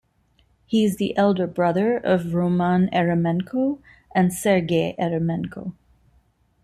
He is the elder brother of Roman Eremenko and Sergei Eremenko.